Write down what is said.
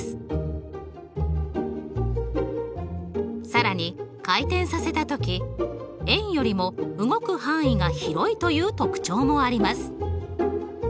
更に回転させた時円よりも動く範囲が広いという特徴もあります。